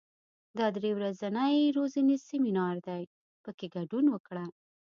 دا درې ورځنی روزنیز سیمینار دی، په کې ګډون وکړه.